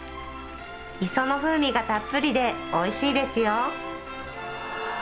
磯の風味がたっぷりでおいしいですよ